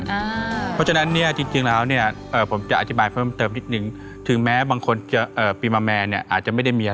เพราะฉะนั้นเนี่ยจริงแล้วเนี่ยผมจะอธิบายเพิ่มเติมนิดนึงถึงแม้บางคนจะปีมาแมนเนี่ยอาจจะไม่ได้มีอะไร